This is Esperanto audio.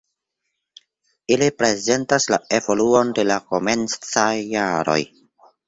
Ili prezentas la evoluon de la komencaj jaroj.